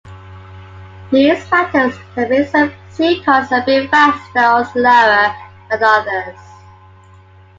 These factors can make some C-Cars a bit faster or slower than others.